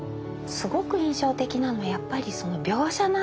すごく印象的なのはやっぱりその描写なんですよね。